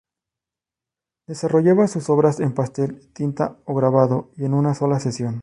Desarrollaba sus obras en pastel, tinta o grabado, y en una sola sesión.